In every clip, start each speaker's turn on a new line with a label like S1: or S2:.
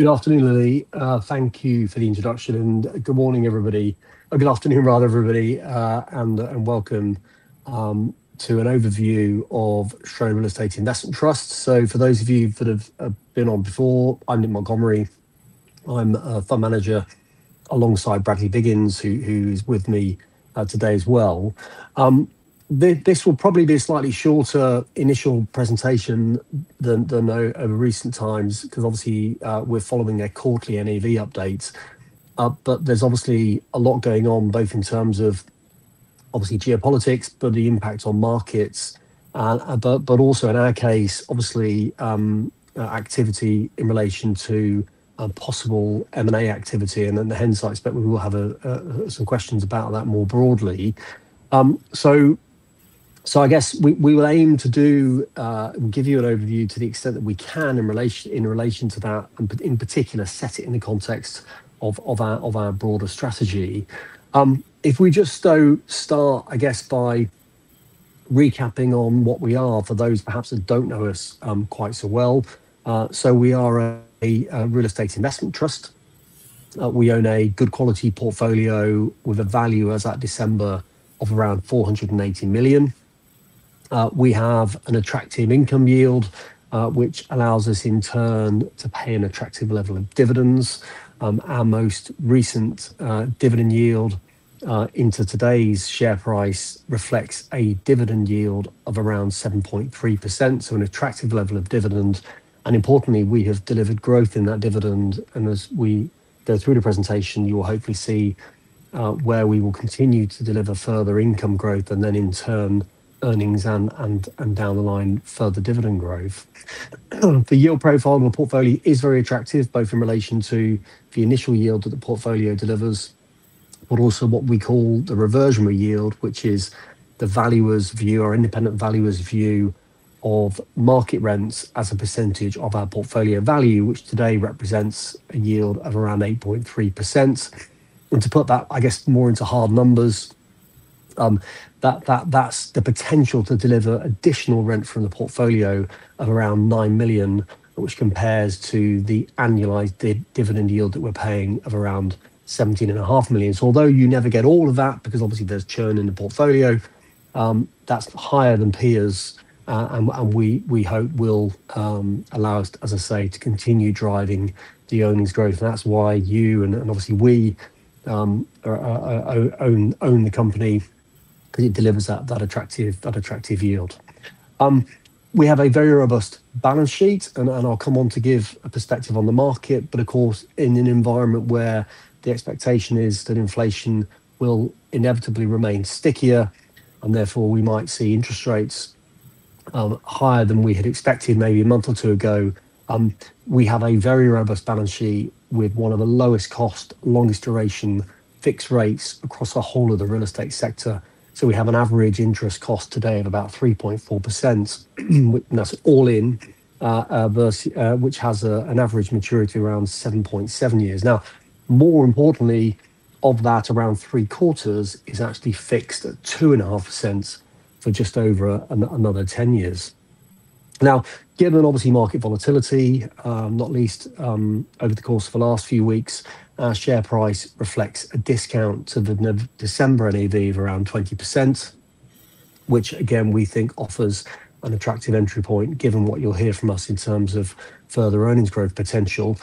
S1: Good afternoon, Lily. Thank you for the introduction, and good morning, everybody, or good afternoon rather, everybody, and welcome to an overview of Schroder Real Estate Investment Trust. For those of you that have been on before, I'm Nick Montgomery. I'm a Fund Manager alongside Bradley Biggins, who's with me today as well. This will probably be a slightly shorter initial presentation than over recent times, because obviously we're following a quarterly NAV update. There's obviously a lot going on, both in terms of geopolitics, but the impact on markets. Also, in our case, obviously, activity in relation to a possible M&A activity, and then, hence, I expect we will have some questions about that more broadly. I guess we will aim to give you an overview to the extent that we can in relation to that, and in particular, set it in the context of our broader strategy. If we just start, I guess, by recapping on what we are for those perhaps that don't know us quite so well. We are a real estate investment trust. We own a good quality portfolio with a value as at December of around 480 million. We have an attractive income yield, which allows us, in turn, to pay an attractive level of dividends. Our most recent dividend yield into today's share price reflects a dividend yield of around 7.3%, so an attractive level of dividend. Importantly, we have delivered growth in that dividend, and as we go through the presentation, you will hopefully see where we will continue to deliver further income growth, and then, in turn, earnings, and down the line, further dividend growth. The yield profile of the portfolio is very attractive, both in relation to the initial yield that the portfolio delivers, but also what we call the reversionary yield, which is our independent valuer's view of market rents as a percentage of our portfolio value, which today represents a yield of around 8.3%. To put that, I guess, more into hard numbers, that's the potential to deliver additional rent from the portfolio of around 9 million, which compares to the annualized dividend yield that we're paying of around 17.5 million. Although you never get all of that, because obviously there's churn in the portfolio, that's higher than peers, and we hope will allow us, as I say, to continue driving the earnings growth. That's why you and obviously we own the company because it delivers that attractive yield. We have a very robust balance sheet, and I'll come on to give a perspective on the market. Of course, in an environment where the expectation is that inflation will inevitably remain stickier, and therefore we might see interest rates higher than we had expected maybe a month or two ago, we have a very robust balance sheet with one of the lowest cost, longest duration fixed rates across the whole of the real estate sector. We have an average interest cost today of about 3.4%, and that's all in, which has an average maturity around 7.7 years. Now, more importantly, of that, around three-quarters is actually fixed at 2.5% for just over another 10 years. Now, given obviously market volatility, not least over the course of the last few weeks, our share price reflects a discount to the December NAV of around 20%, which again, we think offers an attractive entry point given what you'll hear from us in terms of further earnings growth potential.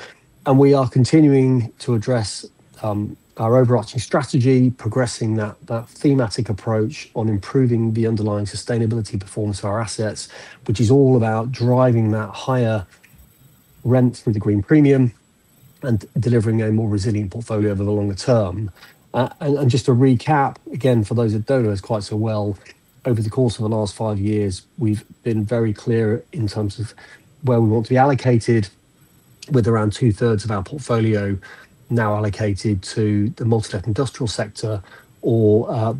S1: We are continuing to address our overarching strategy, progressing that thematic approach on improving the underlying sustainability performance of our assets, which is all about driving that higher rent through the green premium and delivering a more resilient portfolio over the longer term. Just to recap, again, for those that don't know us quite so well, over the course of the last five years, we've been very clear in terms of where we want to be allocated, with around 2/3 of our portfolio now allocated to the multi-let industrial sector or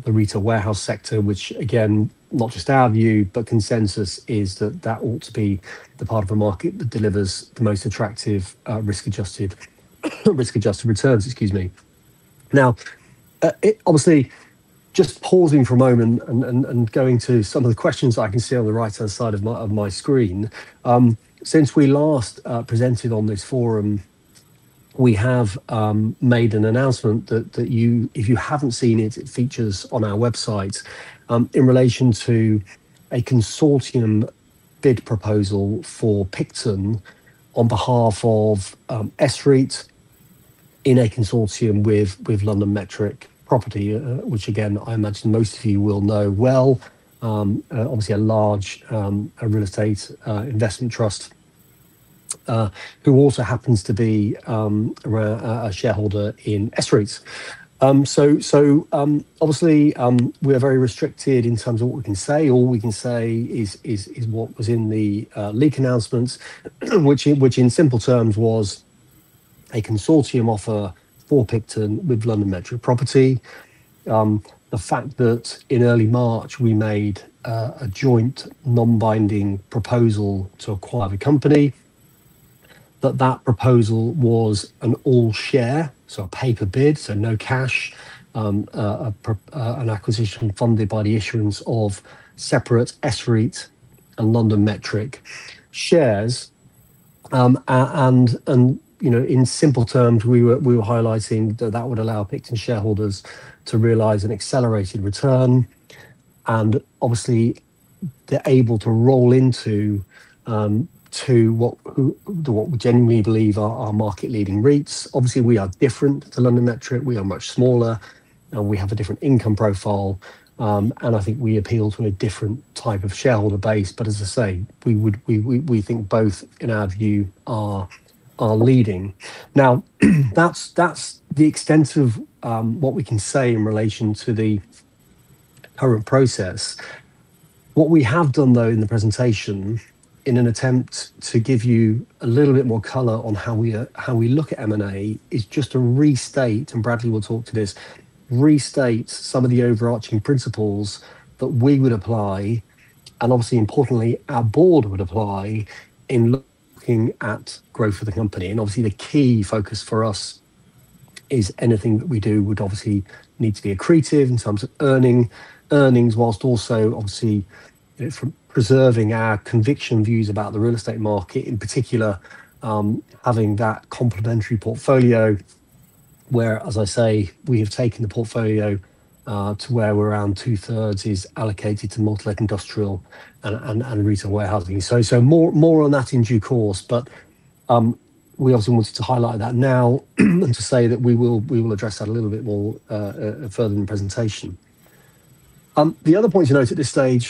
S1: the retail warehouse sector, which again, not just our view, but consensus is that that ought to be the part of the market that delivers the most attractive risk-adjusted returns. Excuse me. Now, obviously, just pausing for a moment and going to some of the questions I can see on the right-hand side of my screen. Since we last presented on this forum, we have made an announcement that if you haven't seen it features on our website, in relation to a consortium bid proposal for Picton on behalf of SREIT in a consortium with LondonMetric Property, which again, I imagine most of you will know well, obviously, a large Real Estate Investment Trust, who also happens to be a shareholder in SREIT. Obviously, we are very restricted in terms of what we can say. All we can say is what was in the leak announcements, which in simple terms, was a consortium offer for Picton with LondonMetric Property; the fact that, in early March, we made a joint non-binding proposal to acquire the company. That proposal was an all-share, so a paper bid, so no cash, an acquisition funded by the issuance of separate SREIT and LondonMetric shares. In simple terms, we were highlighting that would allow Picton shareholders to realize an accelerated return, and obviously, they're able to roll into what we genuinely believe are our market-leading REITs. Obviously, we are different to LondonMetric. We are much smaller, and we have a different income profile, and I think we appeal to a different type of shareholder base. As I say, we think both, in our view, are leading. Now, that's the extent of what we can say in relation to the current process. What we have done, though, in the presentation, in an attempt to give you a little bit more color on how we look at M&A, is just to restate, and Bradley will talk to this, some of the overarching principles that we would apply, and obviously, importantly, our Board would apply in looking at growth for the company. Obviously, the key focus for us is anything that we do would obviously need to be accretive in terms of earnings, whilst also obviously preserving our conviction views about the real estate market, in particular, having that complementary portfolio where, as I say, we have taken the portfolio to where we're around 2/3 is allocated to multi-let industrial and retail warehousing. More on that in due course. We obviously wanted to highlight that now and to say that we will address that a little bit more further in the presentation. The other point to note at this stage,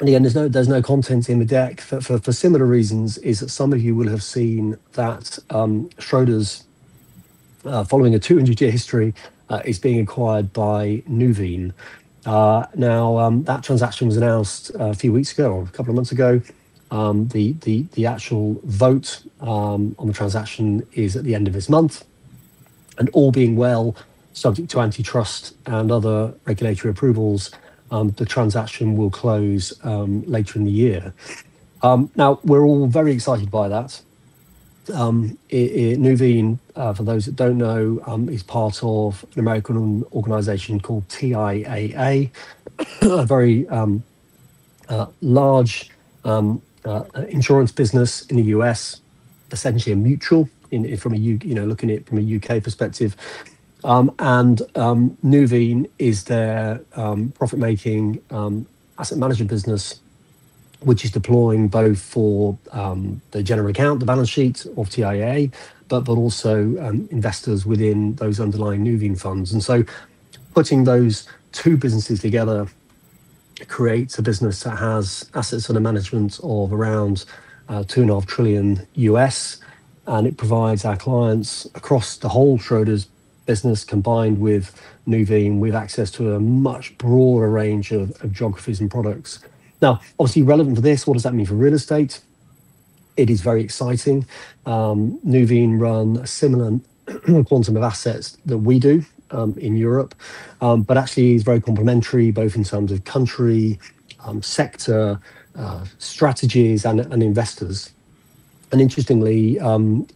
S1: and again, there's no content in the deck, for similar reasons, is that some of you will have seen that Schroders, following a 200-year history, is being acquired by Nuveen. Now, that transaction was announced a few weeks ago or a couple of months ago. The actual vote on the transaction is at the end of this month. All being well, subject to antitrust and other regulatory approvals, the transaction will close later in the year. Now, we're all very excited by that. Nuveen, for those that don't know, is part of an American organization called TIAA, a very large insurance business in the U.S., essentially a mutual, looking at it from a U.K. perspective. Nuveen is their profit-making asset management business, which is deploying both for the general account, the balance sheet of TIAA, but also investors within those underlying Nuveen funds. Putting those two businesses together creates a business that has assets under management of around two and a half trillion U.S., and it provides our clients across the whole Schroders business, combined with Nuveen, with access to a much broader range of geographies and products. Now, obviously relevant to this, what does that mean for real estate? It is very exciting. Nuveen run a similar quantum of assets that we do in Europe, but actually is very complementary, both in terms of country, sector, strategies, and investors. Interestingly,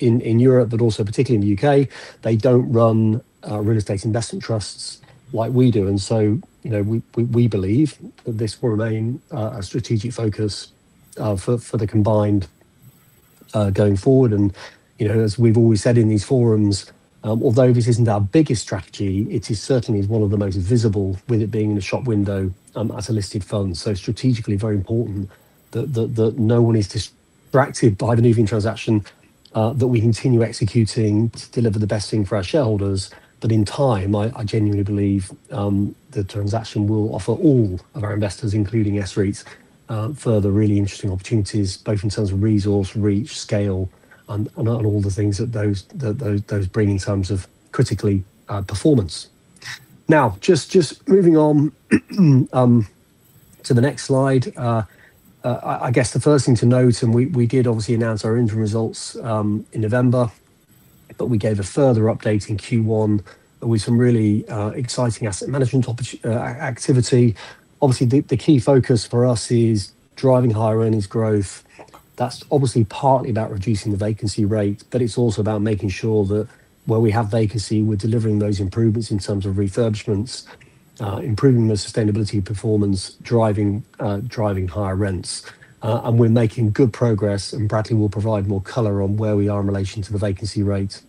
S1: in Europe, but also particularly in the U.K., they don't run real estate investment trusts like we do. We believe that this will remain a strategic focus for the combined going forward, and as we've always said in these forums, although this isn't our biggest strategy, it is certainly one of the most visible, with it being in the shop window as a listed fund. Strategically very important that no one is distracted by the Nuveen transaction, that we continue executing to deliver the best thing for our shareholders. In time, I genuinely believe the transaction will offer all of our investors, including SREIT's, further really interesting opportunities, both in terms of resource, reach, scale, and on all the things that those bring in terms of, critically, performance. Now, just moving on to the next slide. I guess the first thing to note, and we did obviously announce our interim results in November, but we gave a further update in Q1 with some really exciting asset management activity. Obviously, the key focus for us is driving higher earnings growth. That's obviously partly about reducing the vacancy rate, but it's also about making sure that where we have vacancy, we're delivering those improvements in terms of refurbishments, improving the sustainability performance, driving higher rents. We're making good progress, and Bradley will provide more color on where we are in relation to the vacancy rate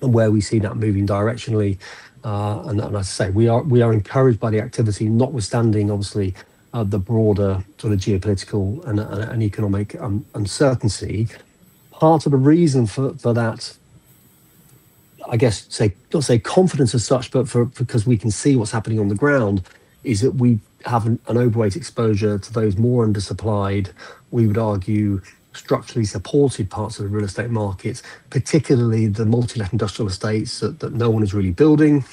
S1: and where we see that moving directionally. As I say, we are encouraged by the activity, notwithstanding, obviously, the broader geopolitical and economic uncertainty. Part of the reason for that, I guess, not say confidence as such, but because we can see what's happening on the ground, is that we have an overweight exposure to those more undersupplied, we would argue, structurally supported parts of the real estate markets, particularly the multi-let industrial estates that no one is really building,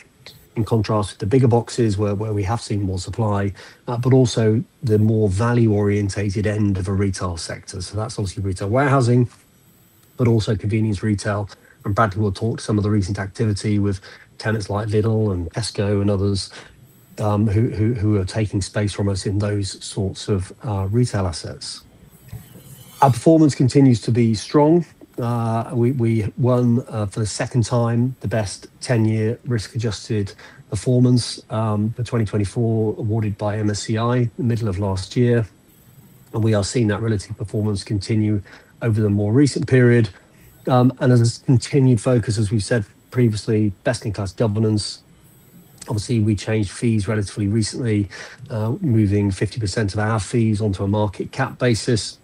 S1: in contrast to the bigger boxes where we have seen more supply, but also the more value-oriented end of the retail sector. That's obviously retail warehousing, but also convenience retail, and Bradley will talk to some of the recent activity with tenants like Lidl and Tesco and others, who are taking space from us in those sorts of retail assets. Our performance continues to be strong. We won, for the second time, the best 10-year risk-adjusted performance for 2024, awarded by MSCI the middle of last year, and we are seeing that relative performance continue over the more recent period. There's this continued focus, as we've said previously, best-in-class governance. Obviously, we changed fees relatively recently, moving 50% of our fees onto a market cap basis,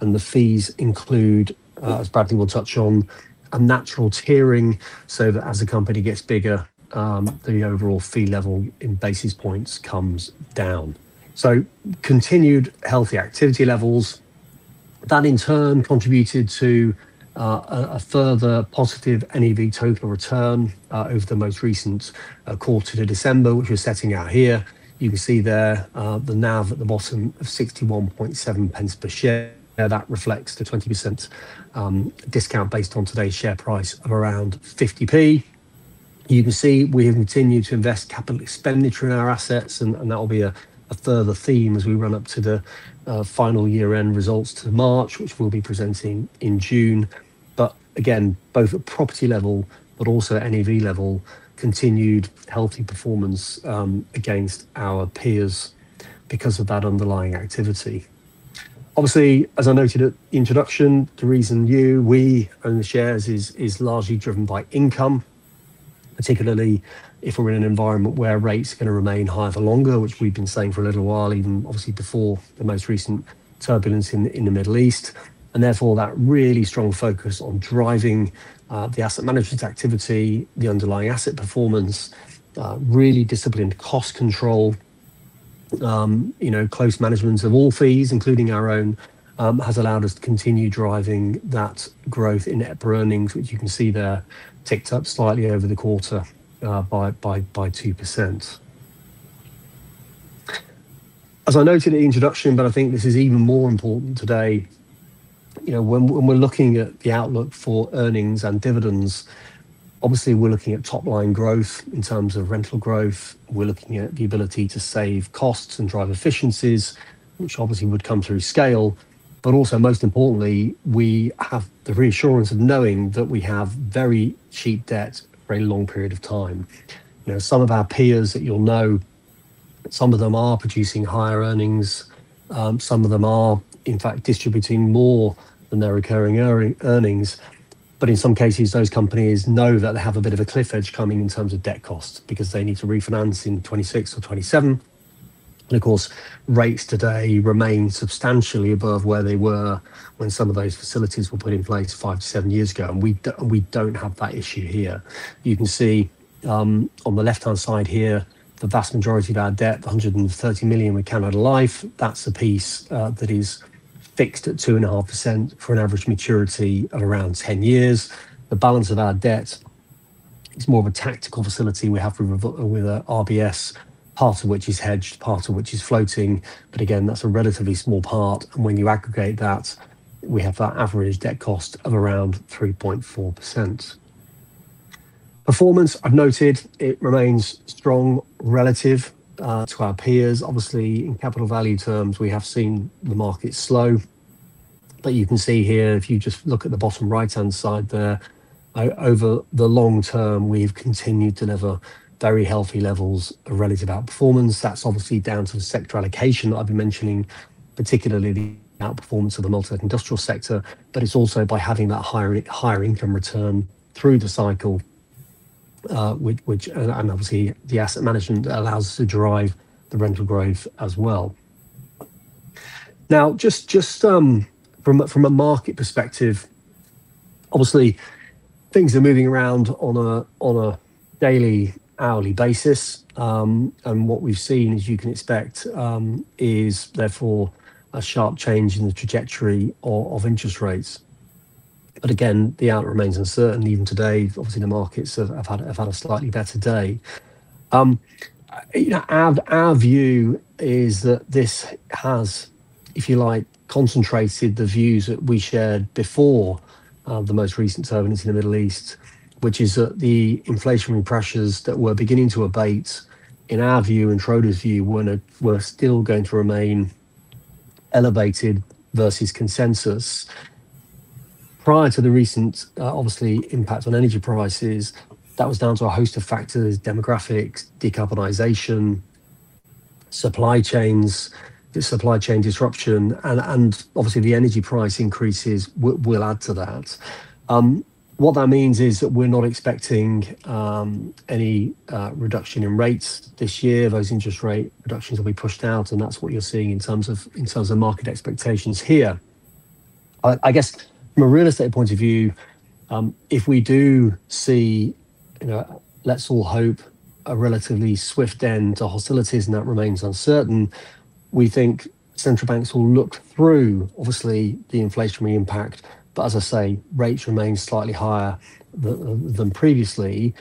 S1: and the fees include, as Bradley will touch on, a natural tiering so that as the company gets bigger, the overall fee level in basis points comes down. Continued healthy activity levels. That in turn contributed to a further positive NAV total return over the most recent quarter to December, which we're setting out here. You can see there, the NAV at the bottom of 0.617 per share. That reflects the 20% discount based on today's share price of around 0.50. You can see we have continued to invest capital expenditure in our assets, and that will be a further theme as we run up to the final year-end results to March, which we'll be presenting in June. Again, both at property level, but also NAV level, continued healthy performance against our peers because of that underlying activity. Obviously, as I noted at the introduction, the reason we own the shares is largely driven by income, particularly if we're in an environment where rates are going to remain high for longer, which we've been saying for a little while, even obviously before the most recent turbulence in the Middle East. Therefore, that really strong focus on driving the asset management activity, the underlying asset performance, really disciplined cost control, close management of all fees, including our own, has allowed us to continue driving that growth in EPRA earnings, which you can see there, ticked up slightly over the quarter by 2%. As I noted in the introduction, but I think this is even more important today, when we're looking at the outlook for earnings and dividends, obviously, we're looking at top-line growth in terms of rental growth. We're looking at the ability to save costs and drive efficiencies, which obviously would come through scale. Also, most importantly, we have the reassurance of knowing that we have very cheap debt for a very long period of time. Some of our peers that you'll know, some of them are producing higher earnings, some of them are, in fact, distributing more than their recurring earnings. In some cases, those companies know that they have a bit of a cliff edge coming in terms of debt cost, because they need to refinance in 2026 or 2027. Of course, rates today remain substantially above where they were when some of those facilities were put in place five to seven years ago, and we don't have that issue here. You can see on the left-hand side here, the vast majority of our debt, 130 million, with Canada Life. That's the piece that is fixed at 2.5% for an average maturity of around 10 years. The balance of our debt, it's more of a tactical facility we have with RBS, part of which is hedged, part of which is floating. Again, that's a relatively small part. When you aggregate that, we have that average debt cost of around 3.4%. Performance, I've noted, it remains strong relative to our peers. Obviously, in capital value terms, we have seen the market slow. You can see here, if you just look at the bottom right-hand side there, over the long term, we've continued to deliver very healthy levels of relative outperformance. That's obviously down to the sector allocation that I've been mentioning, particularly the outperformance of the multi-industrial sector. It's also by having that higher income return through the cycle, and obviously, the asset management allows us to drive the rental growth as well. Now, just from a market perspective, obviously, things are moving around on a daily, hourly basis. What we've seen, as you can expect, is therefore a sharp change in the trajectory of interest rates. Again, the outlook remains uncertain even today. Obviously, the markets have had a slightly better day. Our view is that this has, if you like, concentrated the views that we shared before the most recent turbulence in the Middle East, which is that the inflationary pressures that were beginning to abate, in our view, in Schroders' view, were still going to remain elevated versus consensus. Prior to the recent, obviously, impact on energy prices, that was down to a host of factors, demographics, decarbonization, supply chains, the supply chain disruption, and obviously, the energy price increases will add to that. What that means is that we're not expecting any reduction in rates this year. Those interest rate reductions will be pushed out, and that's what you're seeing in terms of market expectations here. I guess, from a real estate point of view, if we do see, let's all hope, a relatively swift end to hostilities, and that remains uncertain, we think central banks will look through, obviously, the inflationary impact. As I say, rates remain slightly higher than previously.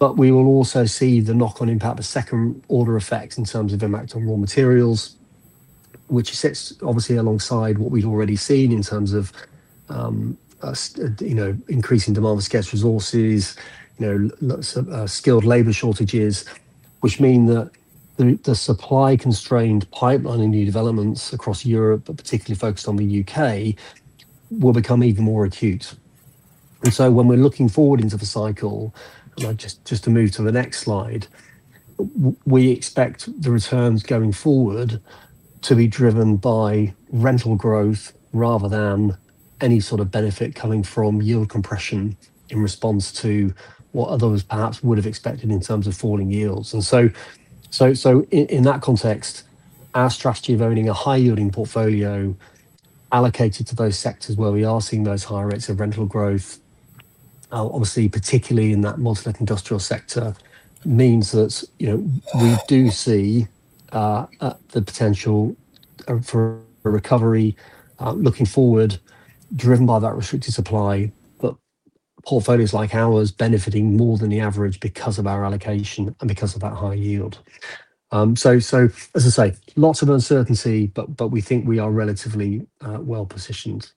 S1: We will also see the knock-on impact of second-order effects in terms of impact on raw materials, which sits obviously alongside what we've already seen in terms of increasing demand for scarce resources, skilled labor shortages, which mean that the supply-constrained pipeline in new developments across Europe, but particularly focused on the U.K., will become even more acute. When we're looking forward into the cycle, if I just to move to the next slide, we expect the returns going forward to be driven by rental growth rather than any sort of benefit coming from yield compression in response to what others perhaps would have expected in terms of falling yields. In that context, our strategy of owning a high-yielding portfolio allocated to those sectors where we are seeing those higher rates of rental growth, obviously, particularly in that multi-let industrial sector, means that we do see the potential for a recovery looking forward driven by that restricted supply, but portfolios like ours benefiting more than the average because of our allocation and because of that high yield. As I say, lots of uncertainty, but we think we are relatively well-positioned.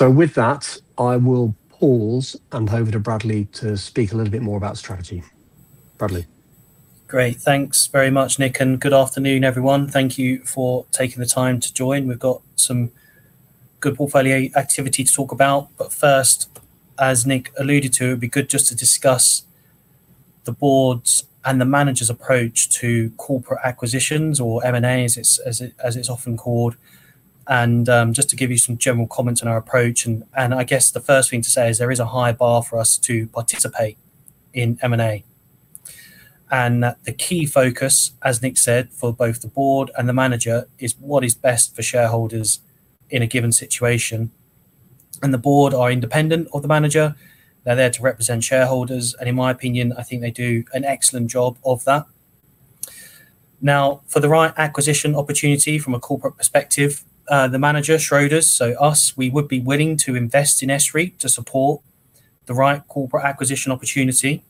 S1: With that, I will pause and hand over to Bradley to speak a little bit more about strategy. Bradley.
S2: Great. Thanks very much, Nick, and good afternoon, everyone. Thank you for taking the time to join. We have got some good portfolio activity to talk about, but first, as Nick alluded to, we could just discuss the Board's and the Manager's approach to corporate acquisition or M&As, as it's often called, and just to give you some general comments on our approach, and, I guess, the first thing to say, is that there is a high bar for us to participate in M&A. And that the key focus, as Nick said, for both the Board and the Manager, is what is best for shareholders in a given situation. And the Board are independent of the Manager. They're there to represent shareholders, and in my opinion, I think they do an excellent job of that. Now, for the right acquisition opportunity from a corporate perspective, the Manager, Schroders, so us, we would be willing to invest in SREIT to support the right corporate acquisition opportunity.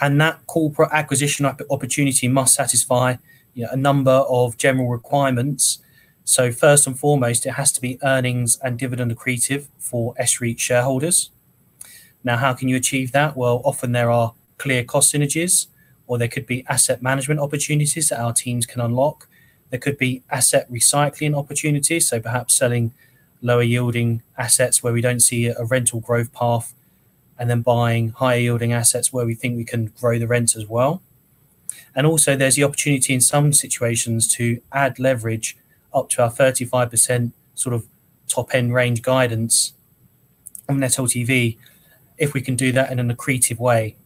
S2: That corporate acquisition opportunity must satisfy a number of general requirements. First and foremost, it has to be earnings and dividend accretive for SREIT shareholders. Now, how can you achieve that? Well, often there are clear cost synergies, or there could be asset management opportunities that our teams can unlock. There could be asset recycling opportunities, so perhaps selling lower-yielding assets where we don't see a rental growth path, and then buying higher-yielding assets where we think we can grow the rents as well. Also, there's the opportunity in some situations to add leverage up to our 35% sort of top-end range guidance on net LTV if we can do that in an accretive way.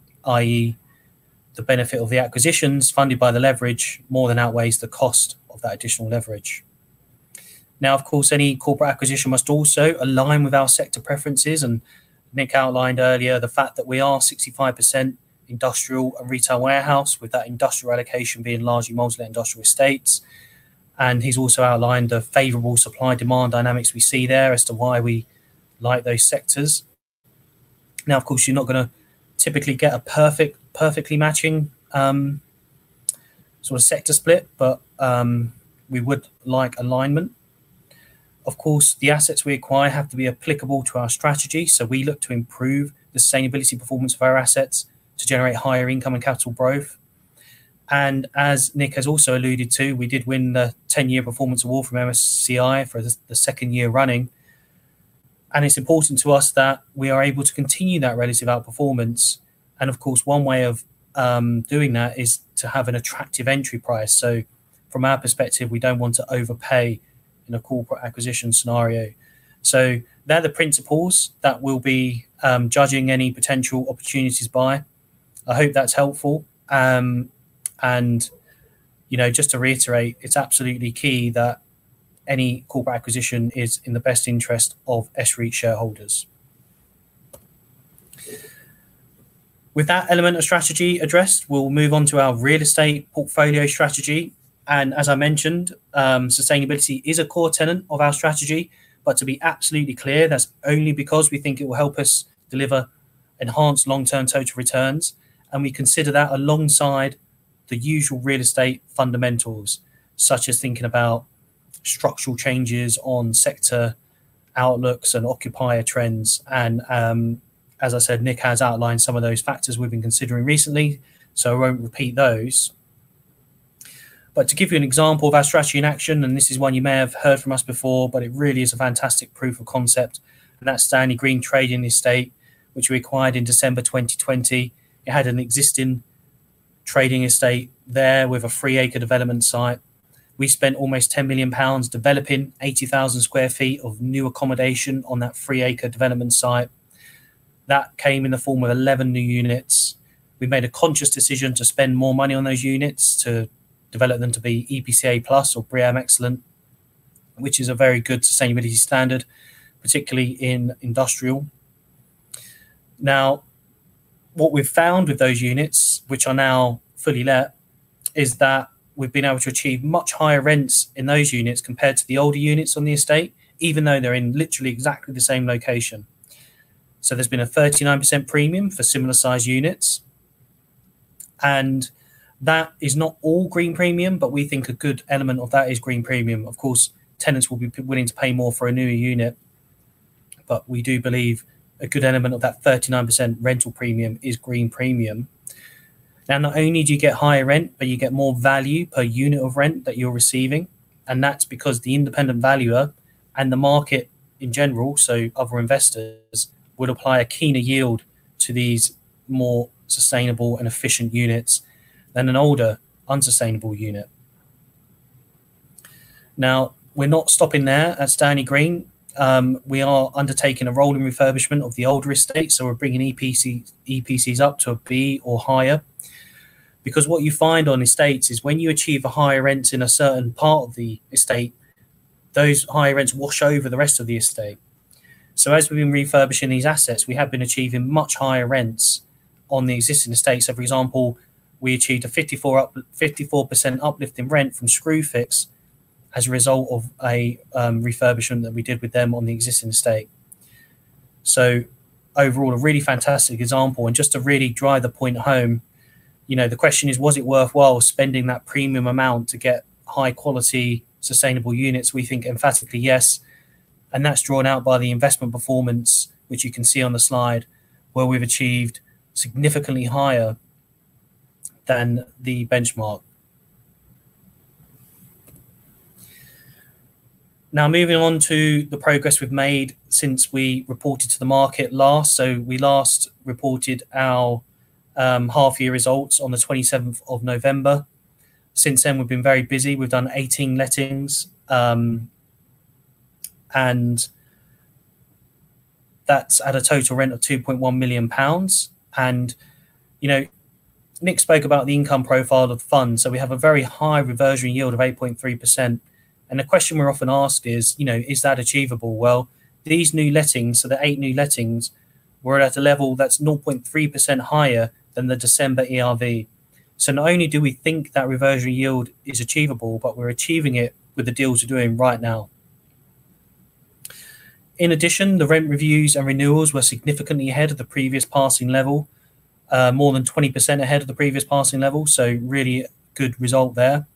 S2: The benefit of the acquisitions funded by the leverage more than outweighs the cost of that additional leverage. Now, of course, any corporate acquisition must also align with our sector preferences, and Nick outlined earlier the fact that we are 65% industrial and retail warehouse, with that industrial allocation being largely multi-let industrial estates. He's also outlined the favorable supply-demand dynamics we see there as to why we like those sectors. Now, of course, you're not going to typically get a perfectly matching sort of sector split, but we would like alignment. Of course, the assets we acquire have to be applicable to our strategy, so we look to improve the sustainability performance of our assets to generate higher income and capital growth. As Nick has also alluded to, we did win the 10-year performance award from MSCI for the second year running, and it's important to us that we are able to continue that relative outperformance. Of course, one way of doing that is to have an attractive entry price. From our perspective, we don't want to overpay in a corporate acquisition scenario. They're the principles that we'll be judging any potential opportunities by. I hope that's helpful. Just to reiterate, it's absolutely key that any corporate acquisition is in the best interest of SREIT shareholders. With that element of strategy addressed, we'll move on to our real estate portfolio strategy. As I mentioned, sustainability is a core tenet of our strategy. To be absolutely clear, that's only because we think it will help us deliver enhanced long-term total returns, and we consider that alongside the usual real estate fundamentals, such as thinking about structural changes on sector outlooks and occupier trends. As I said, Nick has outlined some of those factors we've been considering recently, so I won't repeat those. To give you an example of our strategy in action, and this is one you may have heard from us before, but it really is a fantastic proof of concept, and that's Stanley Green Trading Estate, which we acquired in December 2020. It had an existing trading estate there with a three-acre development site. We spent almost 10 million pounds developing 80,000 sq ft of new accommodation on that three-acre development site. That came in the form of 11 new units. We made a conscious decision to spend more money on those units to develop them to be EPC A+ or BREEAM Excellent, which is a very good sustainability standard, particularly in industrial. Now, what we've found with those units, which are now fully let, is that we've been able to achieve much higher rents in those units compared to the older units on the estate, even though they're in literally exactly the same location. There's been a 39% premium for similar-sized units, and that is not all green premium, but we think a good element of that is green premium. Of course, tenants will be willing to pay more for a newer unit. We do believe a good element of that 39% rental premium is green premium. Now, not only do you get higher rent, but you get more value per unit of rent that you're receiving, and that's because the independent valuer and the market in general, so other investors, would apply a keener yield to these more sustainable and efficient units than an older, unsustainable unit. Now, we're not stopping there at Stanley Green. We are undertaking a rolling refurbishment of the older estate, so we're bringing EPCs up to a B or higher. Because what you find on estates is when you achieve a higher rent in a certain part of the estate, those higher rents wash over the rest of the estate. As we've been refurbishing these assets, we have been achieving much higher rents on the existing estates. For example, we achieved a 54% uplift in rent from Screwfix as a result of a refurbishment that we did with them on the existing estate. Overall, a really fantastic example, and just to really drive the point home, the question is, was it worthwhile spending that premium amount to get high-quality, sustainable units? We think emphatically yes, and that's drawn out by the investment performance, which you can see on the slide, where we've achieved significantly higher than the benchmark. Now, moving on to the progress we've made since we reported to the market last. We last reported our half-year results on the 27th of November. Since then, we've been very busy. We've done 18 lettings, and that's at a total rent of 2.1 million pounds. Nick spoke about the income profile of the fund. We have a very high reversion yield of 8.3%, and the question we're often asked is, "Is that achievable?" Well, these new lettings, so the eight new lettings, were at a level that's 0.3% higher than the December ERV. Not only do we think that reversion yield is achievable, but we're achieving it with the deals we're doing right now. In addition, the rent reviews and renewals were significantly ahead of the previous passing level. More than 20% ahead of the previous passing level, so really good result there.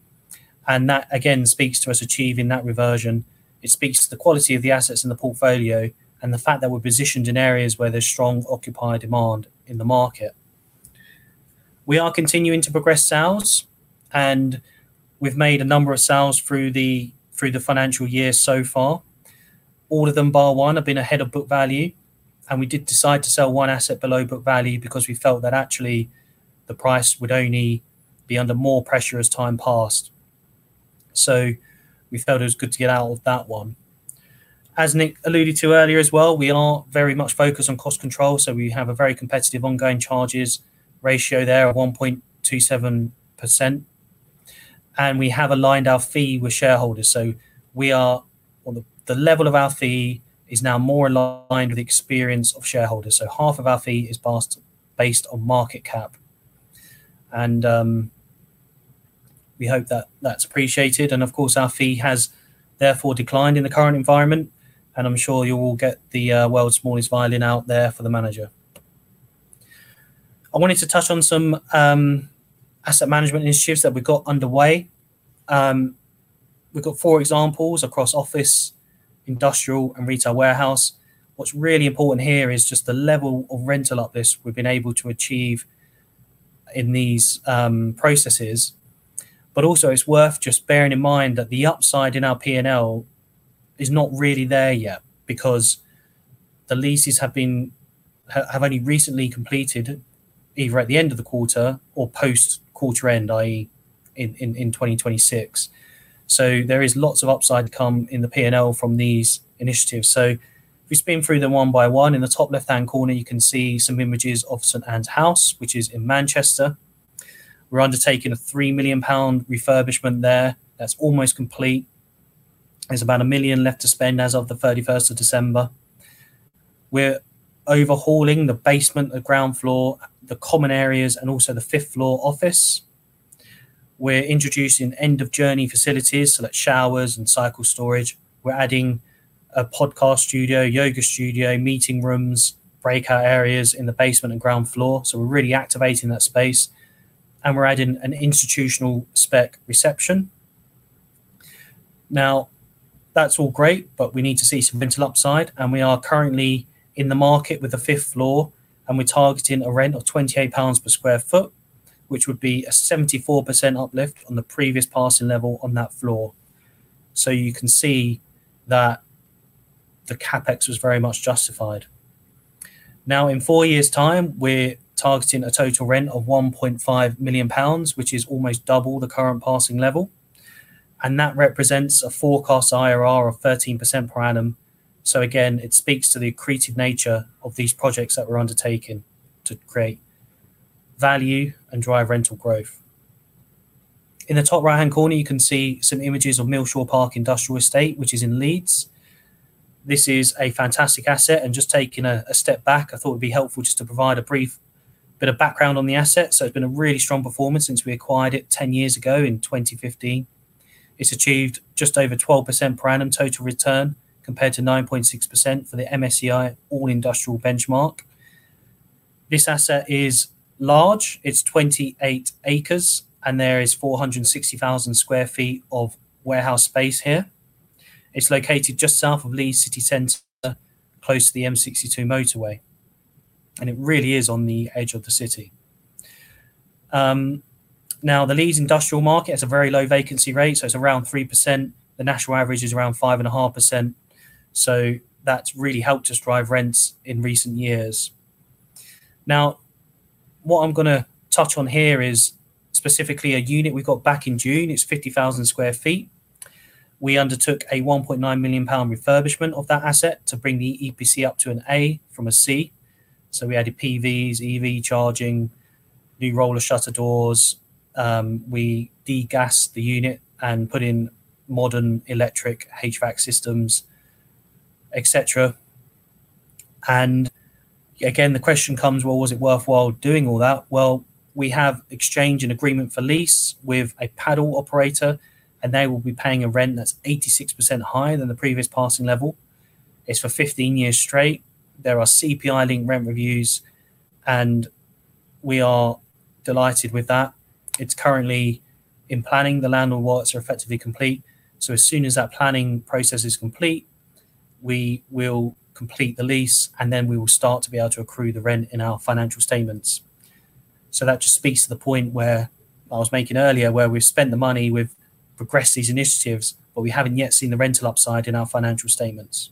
S2: That, again, speaks to us achieving that reversion. It speaks to the quality of the assets in the portfolio and the fact that we're positioned in areas where there's strong occupier demand in the market. We are continuing to progress sales, and we've made a number of sales through the financial year so far. All of them, bar one, have been ahead of book value, and we did decide to sell one asset below book value because we felt that actually the price would only be under more pressure as time passed. We felt it was good to get out of that one. As Nick alluded to earlier as well, we are very much focused on cost control, so we have a very competitive ongoing charges ratio there of 1.27%, and we have aligned our fee with shareholders. The level of our fee is now more aligned with the experience of shareholders. Half of our fee is based on market cap. We hope that that's appreciated. Of course, our fee has therefore declined in the current environment, and I'm sure you will get the world's smallest violin out there for the Manager. I wanted to touch on some asset management initiatives that we've got underway. We've got four examples across office, industrial, and retail warehouse. What's really important here is just the level of rental uplift we've been able to achieve in these processes. Also, it's worth just bearing in mind that the upside in our P&L is not really there yet because the leases have only recently completed, either at the end of the quarter or post-quarter-end, i.e., in 2026. There is lots of upside to come in the P&L from these initiatives. If we spin through them one by one, in the top left-hand corner, you can see some images of St. Anne's House, which is in Manchester. We're undertaking a 3 million pound refurbishment there. That's almost complete. There's about GBP a million left to spend as of the 31st of December. We're overhauling the basement, the ground floor, the common areas, and also the fifth-floor office. We're introducing end-of-journey facilities, so that's showers and cycle storage. We're adding a podcast studio, yoga studio, meeting rooms, breakout areas in the basement and ground floor. We're really activating that space, and we're adding an institutional spec reception. Now, that's all great, but we need to see some rental upside, and we are currently in the market with the fifth floor, and we're targeting a rent of 28 pounds per sq ft, which would be a 74% uplift on the previous passing level on that floor. You can see that the CapEx was very much justified. Now, in four years' time, we're targeting a total rent of 1.5 million pounds, which is almost double the current passing level, and that represents a forecast IRR of 13% per annum. Again, it speaks to the accretive nature of these projects that we're undertaking to create value and drive rental growth. In the top right-hand corner, you can see some images of Millshaw Park Industrial Estate, which is in Leeds. This is a fantastic asset, and just taking a step back, I thought it would be helpful just to provide a brief bit of background on the asset. It's been a really strong performance since we acquired it 10 years ago in 2015. It's achieved just over 12% per annum total return compared to 9.6% for the MSCI All Industrial Benchmark. This asset is large. It's 28 acres, and there is 460,000 sq ft of warehouse space here. It's located just south of Leeds City Center, close to the M62 motorway, and it really is on the edge of the city. Now, the Leeds industrial market has a very low vacancy rate, so it's around 3%. The national average is around 5.5%, so that's really helped us drive rents in recent years. Now, what I'm going to touch on here is specifically a unit we got back in June. It's 50,000 sq ft. We undertook a 1.9 million pound refurbishment of that asset to bring the EPC up to an A from a C. We added PVs, EV charging, new roller shutter doors. We degassed the unit and put in modern electric HVAC systems, et cetera. Again, the question comes, well, was it worthwhile doing all that? Well, we have exchanged an agreement for lease with a padel operator, and they will be paying a rent that's 86% higher than the previous passing level. It's for 15 years straight. There are CPI-linked rent reviews, and we are delighted with that. It's currently in planning. The landlord works are effectively complete. As soon as that planning process is complete, we will complete the lease, and then we will start to be able to accrue the rent in our financial statements. That just speaks to the point where I was making earlier, where we've spent the money, we've progressed these initiatives, but we haven't yet seen the rental upside in our financial statements.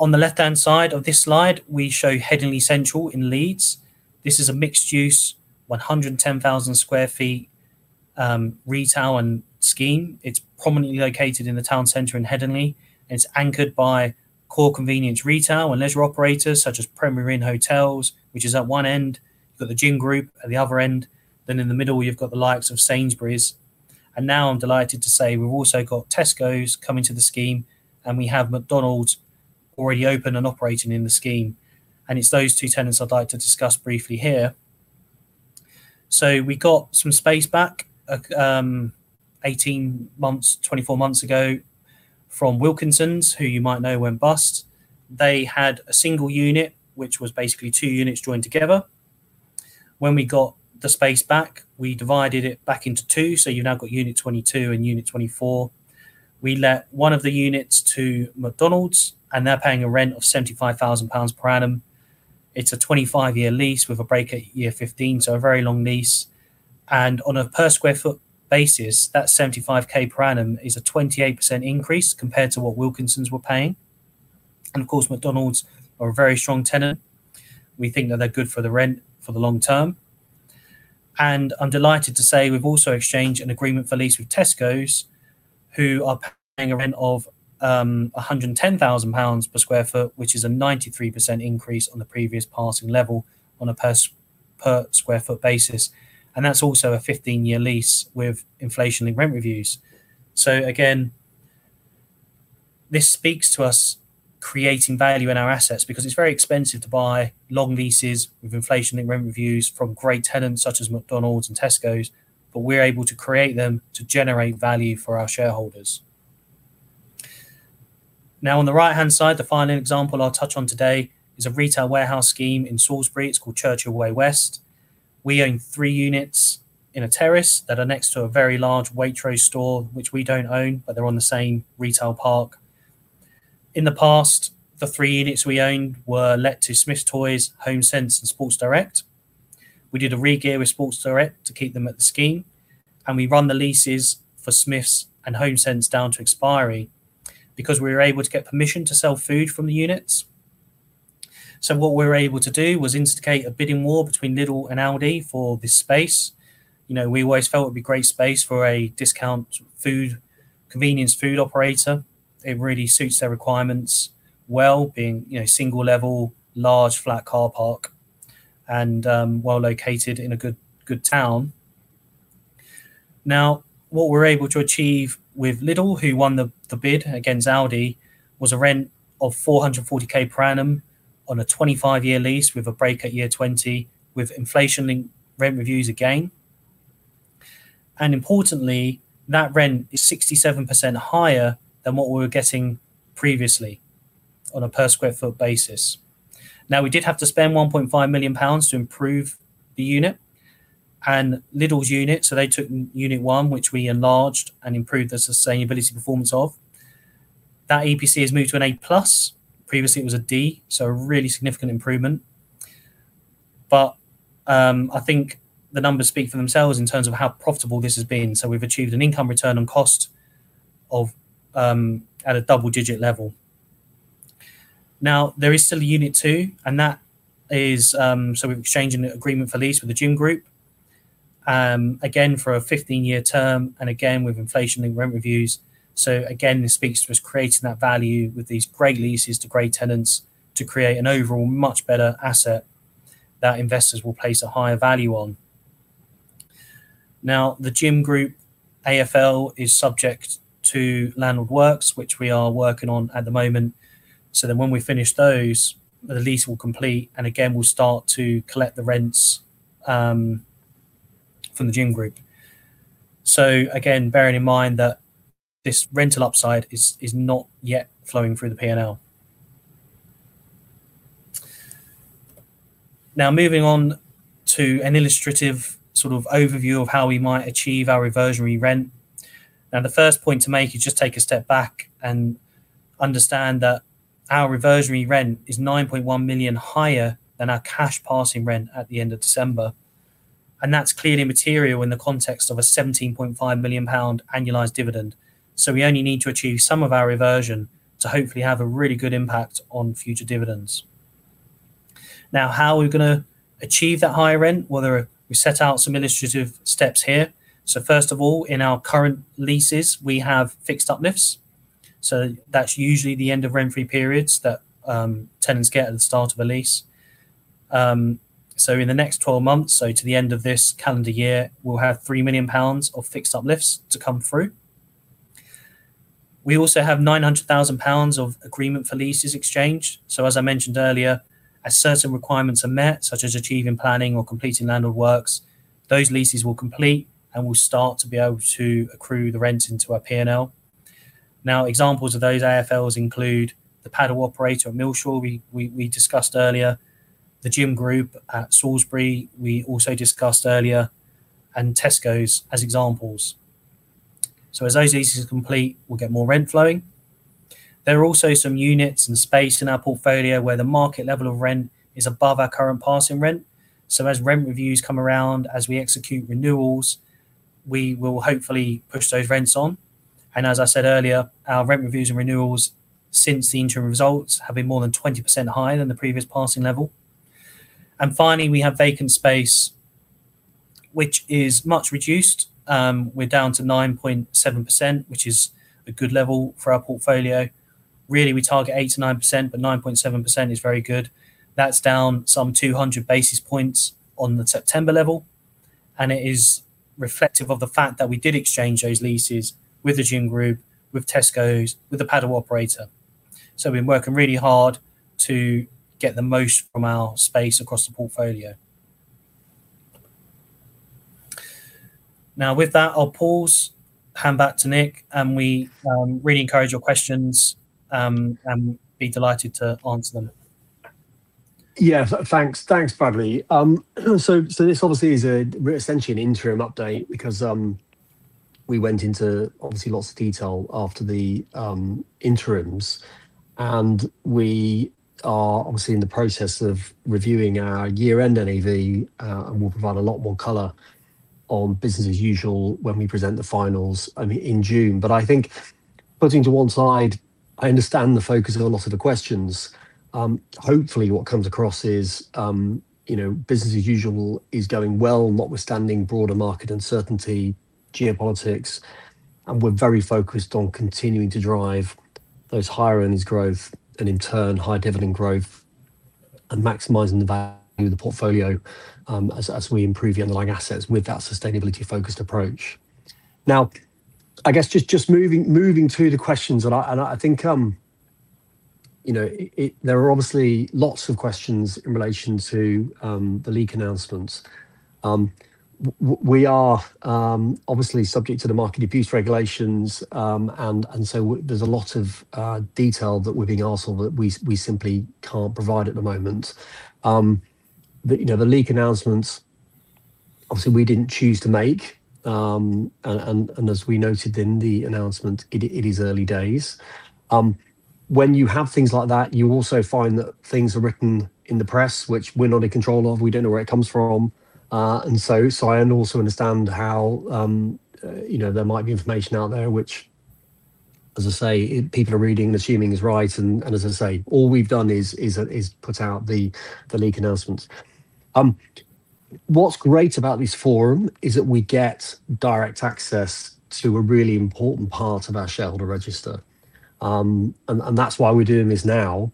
S2: On the left-hand side of this slide, we show Headingley Central in Leeds. This is a mixed-use, 110,000 sq ft retail-led scheme. It's prominently located in the town center in Headingley, and it's anchored by core convenience retail and leisure operators such as Premier Inn Hotels, which is at one end. You've got The Gym Group at the other end. In the middle, you've got the likes of Sainsbury's. Now I'm delighted to say we've also got Tesco's coming to the scheme, and we have McDonald's already open and operating in the scheme. It's those two tenants I'd like to discuss briefly here. We got some space back 18 months, 24 months ago from Wilkinson, who you might know went bust. They had a single unit, which was basically two units joined together. When we got the space back, we divided it back into two, so you've now got Unit 22 and Unit 24. We let one of the units to McDonald's, and they're paying a rent of 75,000 pounds per annum. It's a 25-year lease with a break at year 15, so a very long lease. On a per sq ft basis, that 75,000 per annum is a 28% increase compared to what Wilkinson were paying. Of course, McDonald's are a very strong tenant. We think that they're good for the rent for the long term. I'm delighted to say we've also exchanged an Agreement for Lease with Tesco, who are paying a rent of 110,000 pounds per sq ft, which is a 93% increase on the previous passing level on a per square foot basis. That's also a 15-year lease with inflation in rent reviews. Again, this speaks to us creating value in our assets because it's very expensive to buy long leases with inflation in rent reviews from great tenants such as McDonald's and Tesco, but we're able to create them to generate value for our shareholders. Now, on the right-hand side, the final example I'll touch on today is a retail warehouse scheme in Salisbury. It's called Churchill Way West. We own three units in a terrace that are next to a very large Waitrose store, which we don't own, but they're on the same retail park. In the past, the three units we owned were let to Smyths Toys, Homesense, and Sports Direct. We did a regear with Sports Direct to keep them at the scheme, and we ran the leases for Smyths and Homesense down to expiry because we were able to get permission to sell food from the units. What we were able to do was instigate a bidding war between Lidl and Aldi for this space. We always felt it would be great space for a discount food, convenience food operator. It really suits their requirements well, being single level, large flat car park, and well-located in a good town. Now, what we're able to achieve with Lidl, who won the bid against Aldi, was a rent of 440,000 per annum on a 25-year lease with a break at year 20, with inflation link rent reviews again. Importantly, that rent is 67% higher than what we were getting previously on a per sq ft basis. Now, we did have to spend 1.5 million pounds to improve the unit and Lidl's unit. They took Unit One, which we enlarged and improved the sustainability performance of. That EPC has moved to an A+. Previously, it was a D, so a really significant improvement. I think the numbers speak for themselves in terms of how profitable this has been. We've achieved an income return on cost at a double-digit level. Now, there is still Unit Two. We've exchanged an agreement for lease with The Gym Group, again, for a 15-year term, and again, with inflation in rent reviews. Again, this speaks to us creating that value with these great leases to great tenants to create an overall much better asset that investors will place a higher value on. Now, The Gym Group AFL is subject to landlord works, which we are working on at the moment. When we finish those, the lease will complete, and again, we'll start to collect the rents from The Gym Group, again bearing in mind that this rental upside is not yet flowing through the P&L. Now moving on to an illustrative sort of overview of how we might achieve our reversionary rent. Now, the first point to make is just take a step back and understand that our reversionary rent is 9.1 million higher than our cash passing rent at the end of December. That's clearly material in the context of a 17.5 million pound annualized dividend. We only need to achieve some of our reversion to hopefully have a really good impact on future dividends. Now, how are we going to achieve that higher rent? Well, we set out some illustrative steps here. First of all, in our current leases, we have fixed uplifts. That's usually the end of rent-free periods that tenants get at the start of a lease. In the next 12 months, to the end of this calendar year, we'll have 3 million pounds of fixed uplifts to come through. We also have 900,000 pounds of agreement for leases exchanged. As I mentioned earlier, as certain requirements are met, such as achieving planning or completing landlord works, those leases will complete and we'll start to be able to accrue the rent into our P&L. Now, examples of those AFLs include the padel operator at Millshaw we discussed earlier, the Gym Group at Salisbury we also discussed earlier, and Tesco as examples. As those leases complete, we'll get more rent flowing. There are also some units and space in our portfolio where the market level of rent is above our current passing rent. As rent reviews come around, as we execute renewals, we will hopefully push those rents on. As I said earlier, our rent reviews and renewals since the interim results have been more than 20% higher than the previous passing level. Finally, we have vacant space, which is much reduced. We're down to 9.7%, which is a good level for our portfolio. Really, we target 8%-9%, but 9.7% is very good. That's down some 200 basis points on the September level, and it is reflective of the fact that we did exchange those leases with The Gym Group, with Tesco's, with the padel operator. We've been working really hard to get the most from our space across the portfolio. Now with that, I'll pause, hand back to Nick, and we really encourage your questions, and be delighted to answer them.
S1: Yeah. Thanks, Bradley. This obviously is essentially an interim update because we went into obviously lots of detail after the interims. We are obviously in the process of reviewing our year-end NAV, and we'll provide a lot more color on business as usual when we present the finals in June. I think putting to one side, I understand the focus of a lot of the questions. Hopefully, what comes across is business as usual is going well, notwithstanding broader market uncertainty, geopolitics. We're very focused on continuing to drive those higher earnings growth and in turn, high dividend growth and maximizing the value of the portfolio, as we improve the underlying assets with that sustainability-focused approach. Now, I guess just moving to the questions. I think there are obviously lots of questions in relation to the leak announcements. We are, obviously, subject to the Market Abuse Regulation, and so there's a lot of detail that we're being asked for that we simply can't provide at the moment. The leak announcements, obviously, we didn't choose to make, and as we noted in the announcement, it is early days. When you have things like that, you also find that things are written in the press, which we're not in control of. We don't know where it comes from. I also understand how there might be information out there, which, as I say, people are reading and assuming is right, and as I say, all we've done is put out the leak announcements. What's great about this forum is that we get direct access to a really important part of our shareholder register. That's why we're doing this now,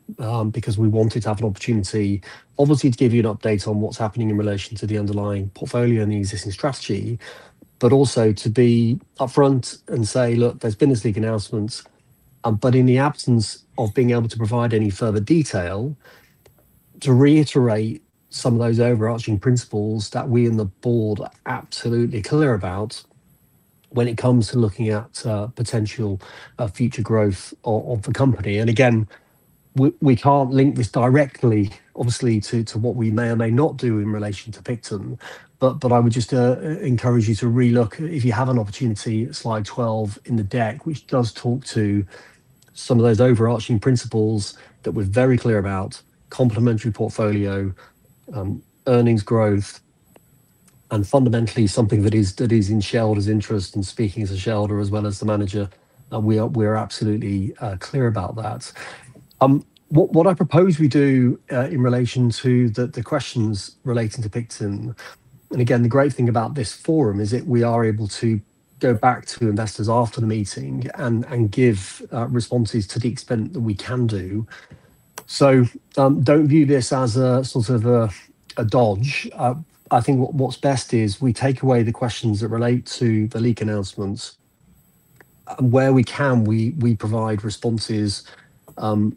S1: because we wanted to have an opportunity, obviously, to give you an update on what's happening in relation to the underlying portfolio and the existing strategy, but also to be upfront and say, "Look, there's been this leak announcement," but in the absence of being able to provide any further detail, to reiterate some of those overarching principles that we in the Board are absolutely clear about when it comes to looking at potential future growth of the company. Again, we can't link this directly, obviously, to what we may or may not do in relation to Picton. I would just encourage you to re-look, if you have an opportunity, at slide 12 in the deck, which does talk to some of those overarching principles that we're very clear about, complementary portfolio, earnings growth, and fundamentally, something that is in shareholders' interest, and speaking as a shareholder as well as the Manager, we are absolutely clear about that. What I propose we do, in relation to the questions relating to Picton, and again, the great thing about this forum is that we are able to go back to investors after the meeting and give responses to the extent that we can do. Don't view this as a sort of a dodge. I think what's best is we take away the questions that relate to the leak announcements. Where we can, we provide responses to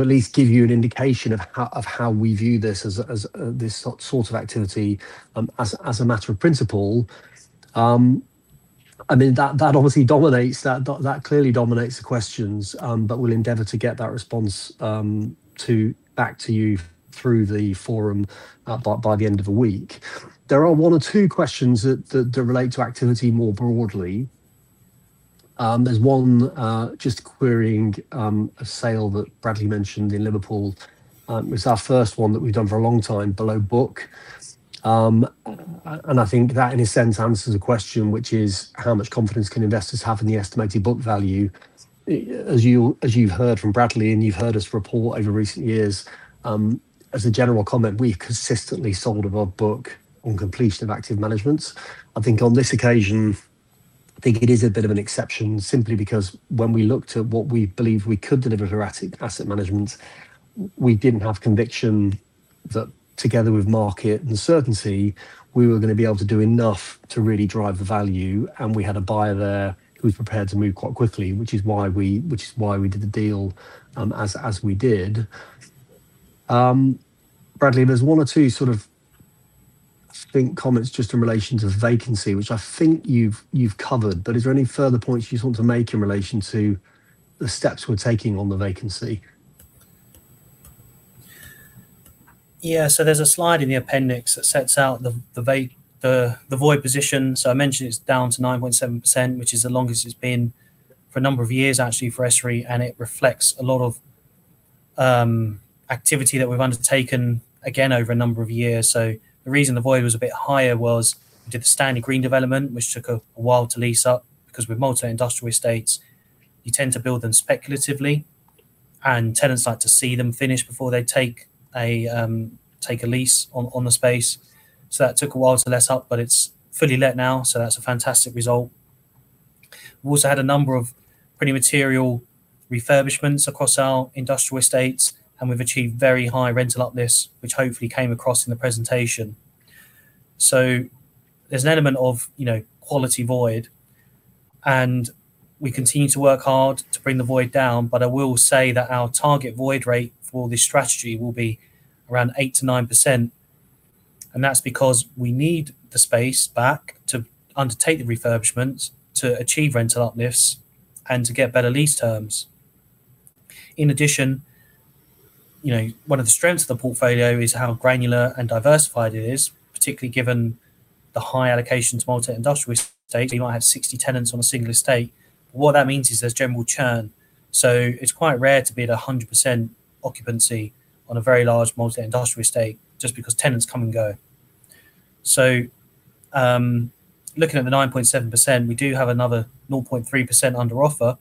S1: at least give you an indication of how we view this sort of activity as a matter of principle. That clearly dominates the questions, but we'll endeavor to get that response back to you through the forum by the end of the week. There are one or two questions that relate to activity more broadly. There's one just querying a sale that Bradley mentioned in Liverpool. It's our first one that we've done for a long time below book. I think that, in a sense, answers the question, which is, how much confidence can investors have in the estimated book value? As you've heard from Bradley, and you've heard us report over recent years, as a general comment, we've consistently sold above book on completion of active managements. I think on this occasion, it is a bit of an exception simply because when we looked at what we believed we could deliver for asset management, we didn't have conviction that together with market uncertainty, we were going to be able to do enough to really drive the value. We had a buyer there who was prepared to move quite quickly, which is why we did the deal as we did. Bradley, there's one or two, I think, comments just in relation to vacancy, which I think you've covered, but is there any further points you just want to make in relation to the steps we're taking on the vacancy?
S2: Yeah. There's a slide in the appendix that sets out the void position. I mentioned it's down to 9.7%, which is the longest it's been for a number of years, actually, for SREIT, and it reflects a lot of activity that we've undertaken, again, over a number of years. The reason the void was a bit higher was we did the Stanley Green development, which took a while to lease up, because with multi-industrial estates, you tend to build them speculatively, and tenants like to see them finished before they take a lease on the space. That took a while to let up, but it's fully let now, so that's a fantastic result. We've also had a number of pretty material refurbishments across our industrial estates, and we've achieved very high rental uplifts, which hopefully came across in the presentation. There's an element of quality void, and we continue to work hard to bring the void down. I will say that our target void rate for this strategy will be around 8%-9%, and that's because we need the space back to undertake the refurbishments, to achieve rental uplifts, and to get better lease terms. In addition, one of the strengths of the portfolio is how granular and diversified it is, particularly given the high allocations multi-industrial estate, you might have 60 tenants on a single estate. What that means is there's general churn, so it's quite rare to be at 100% occupancy on a very large multi-industrial estate just because tenants come and go. Looking at the 9.7%, we do have another 0.3% under offer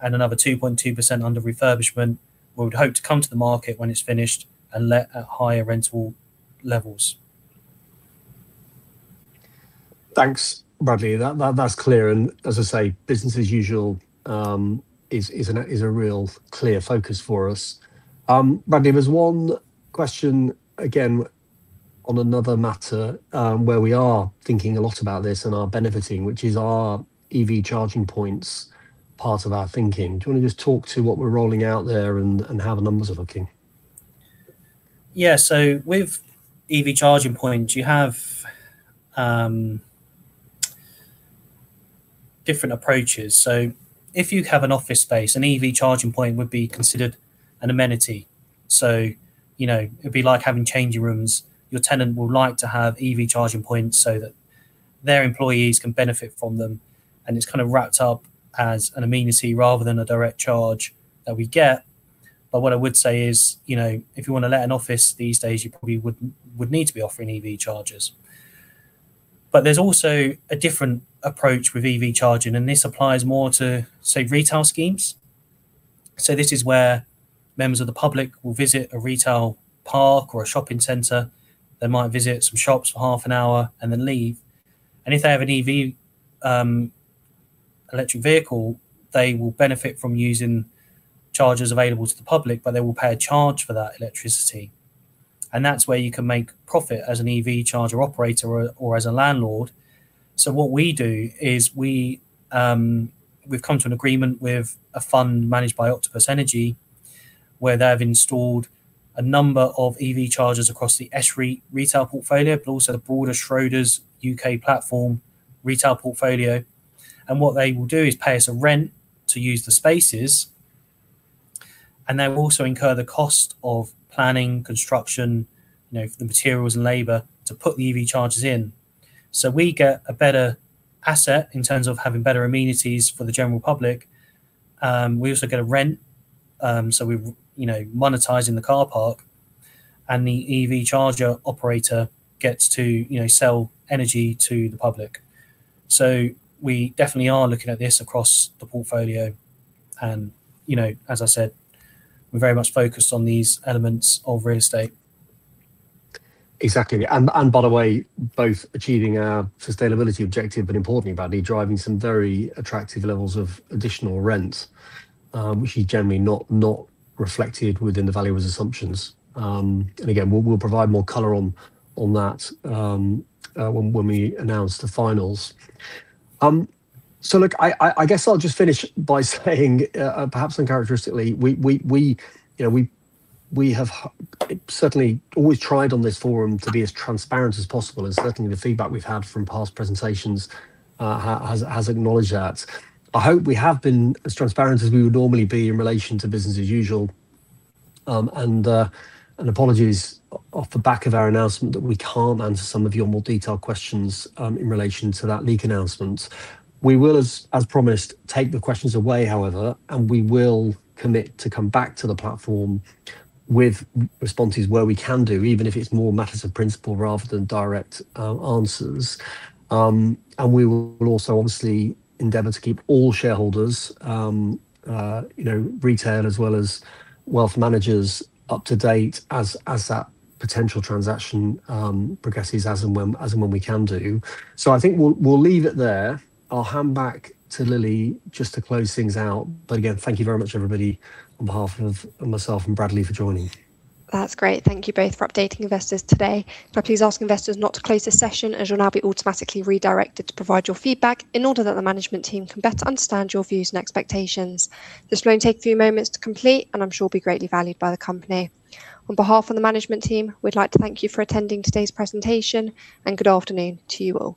S2: and another 2.2% under refurbishment. We would hope to come to the market when it's finished and let at higher rentable levels.
S1: Thanks, Bradley. That's clear. As I say, business as usual is a real clear focus for us. Bradley, there's one question, again, on another matter, where we are thinking a lot about this and are benefiting, which is our EV charging points part of our thinking. Do you want to just talk to what we're rolling out there and how the numbers are looking?
S2: Yeah. With EV charging points, you have different approaches. If you have an office space, an EV charging point would be considered an amenity. It'd be like having changing rooms. Your tenant would like to have EV charging points so that their employees can benefit from them, and it's kind of wrapped up as an amenity rather than a direct charge that we get. What I would say is, if you want to let an office these days, you probably would need to be offering EV chargers. There's also a different approach with EV charging, and this applies more to, say, retail schemes. This is where members of the public will visit a retail park or a shopping center. They might visit some shops for half an hour and then leave. If they have an EV, electric vehicle, they will benefit from using chargers available to the public, but they will pay a charge for that electricity. That's where you can make profit as an EV charger operator or as a landlord. What we do is we've come to an agreement with a fund managed by Octopus Energy, where they've installed a number of EV chargers across the SREIT retail portfolio, but also the broader Schroders U.K. platform retail portfolio. What they will do is pay us a rent to use the spaces, and they will also incur the cost of planning, construction, for the materials and labor to put the EV chargers in. We get a better asset in terms of having better amenities for the general public. We also get a rent, so we're monetizing the car park, and the EV charger operator gets to sell energy to the public. We definitely are looking at this across the portfolio. As I said, we're very much focused on these elements of real estate.
S1: Exactly. By the way, both achieving our sustainability objective, but importantly, Bradley, driving some very attractive levels of additional rent, which is generally not reflected within the valuer's assumptions. Again, we'll provide more color on that when we announce the finals. Look, I guess I'll just finish by saying, perhaps uncharacteristically, we have certainly always tried on this forum to be as transparent as possible, and certainly the feedback we've had from past presentations has acknowledged that. I hope we have been as transparent as we would normally be in relation to business as usual. Apologies off the back of our announcement that we can't answer some of your more detailed questions in relation to that leak announcement. We will, as promised, take the questions away; however, and we will commit to come back to the platform with responses where we can do, even if it's more matters of principle rather than direct answers. We will also obviously endeavor to keep all shareholders, retail as well as wealth managers, up to date as that potential transaction progresses, as and when we can do. I think we'll leave it there. I'll hand back to Lily just to close things out. Again, thank you very much, everybody, on behalf of myself and Bradley for joining.
S3: That's great. Thank you both for updating investors today. Can I please ask investors not to close this session, as you'll now be automatically redirected to provide your feedback in order that the Management Team can better understand your views and expectations. This will only take a few moments to complete, and I'm sure will be greatly valued by the company. On behalf of the Management Team, we'd like to thank you for attending today's presentation, and good afternoon to you all.